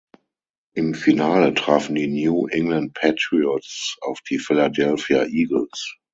Im Finale trafen die New England Patriots auf die Philadelphia Eagles.